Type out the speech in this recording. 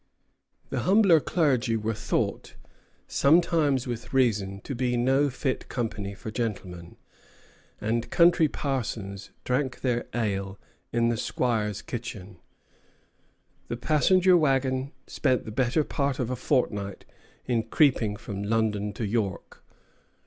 The humbler clergy were thought sometimes with reason to be no fit company for gentlemen, and country parsons drank their ale in the squire's kitchen. The passenger wagon spent the better part of a fortnight in creeping from London to York.